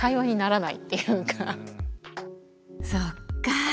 そっかぁ。